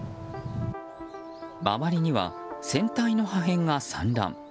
周りには、船体の破片が散乱。